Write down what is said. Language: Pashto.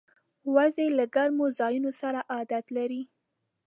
وزې له ګرمو ځایونو سره عادت لري